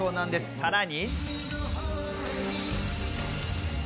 さらに。